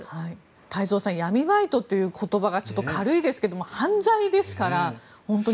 太蔵さん、闇バイトという言葉がちょっと軽いですが犯罪ですから、本当に。